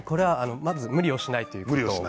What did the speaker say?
まずは無理をしないということ。